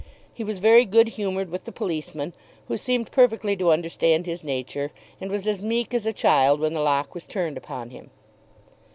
He was very good humoured with the policeman, who seemed perfectly to understand his nature, and was as meek as a child when the lock was turned upon him.